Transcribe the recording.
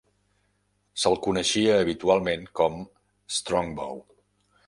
Se"l coneixia habitualment com Strongbow.